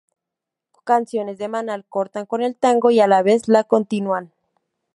Canciones de Manal cortan con el tango y a la vez lo continúan.